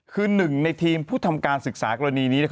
คือหนึ่งในทีมผู้ทำการศึกษากรณีนี้